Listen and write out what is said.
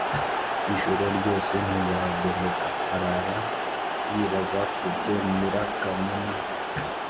Ijoro ryose ntiyagoheka arara yibaza ku byo Nyirakanyana